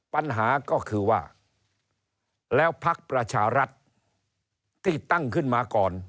ปัญหาก็คือว่าแล้วพักประชารัฐที่ตั้งขึ้นมาก่อน